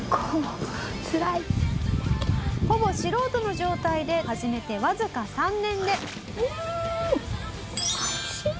「ほぼ素人の状態で始めてわずか３年で」